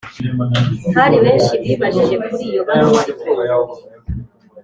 Hari benshi bibajije kuri iyo baruwa ifunguye